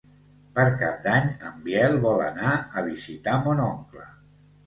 Per Cap d'Any en Biel vol anar a visitar mon oncle.